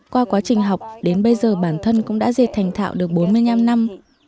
qua quá trình học đến bây giờ bản thân cũng đã dệt thành thạo được bốn mươi năm năm